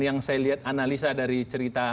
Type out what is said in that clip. yang saya lihat analisa dari cerita